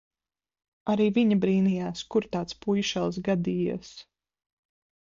Arī viņa brīnījās, kur tāds puišelis gadījies.